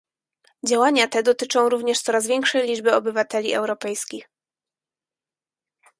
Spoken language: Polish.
Działania te dotyczą również coraz większej liczby obywateli europejskich